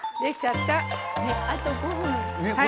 あと５分。